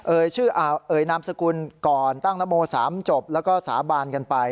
เอ่ยชื่อนามสกุลก่อนตั้งละโบสามจบแล้วก็สาบานกันไป